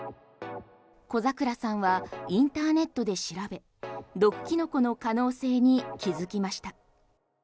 小桜さんはインターネットで調べ毒キノコの可能性に気づきました。